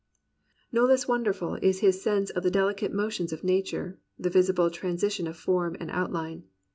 No less wonderful is his sense of the delicate mo tions of nature, the visible transition of form and outline.